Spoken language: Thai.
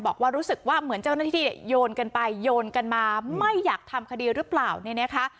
บอกว่ารู้สึกว่าเหมือนเจ้าหน้าที่เนี่ยโยนกันไปโยนกันมาไม่อยากทำคดีหรือเปล่าเนี่ยนะคะ